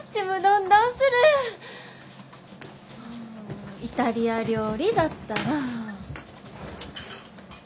うんイタリア料理だったら。